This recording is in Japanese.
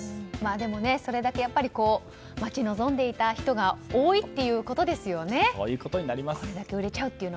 でも、それだけ待ち望んでいた人がそういうことになります。